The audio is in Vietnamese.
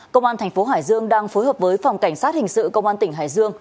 công an thành phố hải dương đang phối hợp với phòng cảnh sát hình sự công an tỉnh hải dương